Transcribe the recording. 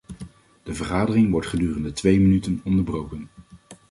De vergadering wordt gedurende twee minuten onderbroken.